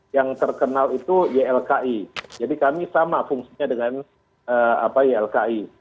yang terkenal itu ylki jadi kami sama fungsinya dengan ylki